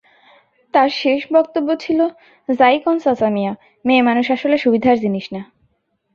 তার শেষ বক্তব্য ছিল, যাই কন চাচামিয়া, মেয়েমানুষ আসলে সুবিধার জিনিস না।